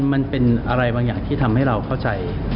มันเป็นอะไรบางอย่างที่ทำให้เราเข้าใจ